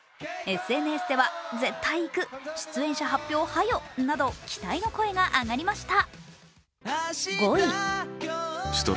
ＳＮＳでは絶対行く、出演者発表はよなど期待の声が上がりました。